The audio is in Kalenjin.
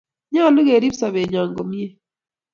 Nyalu kerip sobennyo komnye